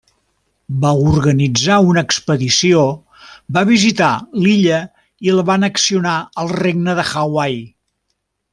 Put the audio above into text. Va organitzar una expedició, va visitar l'illa i la va annexionar al regne de Hawaii.